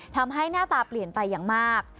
หน้าตาเปลี่ยนไปอย่างมาก